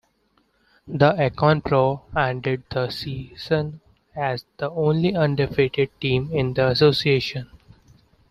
The Akron Pros ended the season as the only undefeated team in the Association.